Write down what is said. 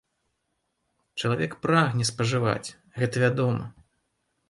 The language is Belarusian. Чалавек прагне спажываць, гэта вядома.